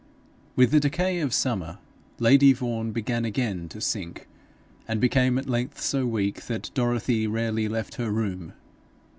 With the decay of summer, lady Vaughan began again to sink, and became at length so weak that Dorothy rarely left her room.